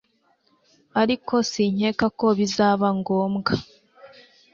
Mubyukuri sinkeka ko bizaba ngombwa